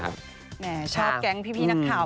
แหมชอบแก๊งพี่นักข่าว